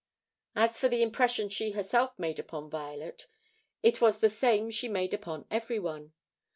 As for the impression she herself made upon Violet, it was the same she made upon everyone.